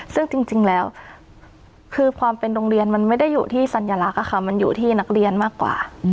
ซึ่งจริงแล้วคือความเป็นโรงเรียนมันไม่ได้อยู่ที่สัญลักษณ์มันอยู่ที่นักเรียนมากกว่า